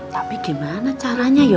tapi gimana caranya yoh